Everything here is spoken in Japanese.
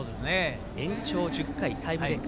延長１０回、タイブレーク。